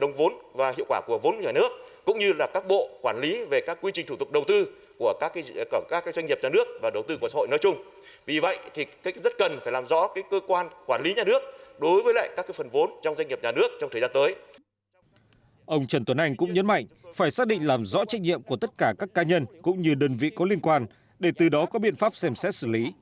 ông trần tuấn anh cũng nhấn mạnh phải xác định làm rõ trách nhiệm của tất cả các ca nhân cũng như đơn vị có liên quan để từ đó có biện pháp xem xét xử lý